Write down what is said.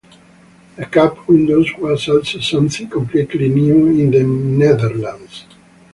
The cab windows was also something completely new in the Netherlands.